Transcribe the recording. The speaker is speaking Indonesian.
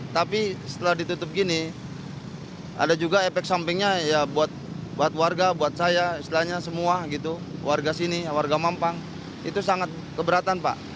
tapi setelah ditutup gini ada juga efek sampingnya ya buat warga buat saya istilahnya semua gitu warga sini warga mampang itu sangat keberatan pak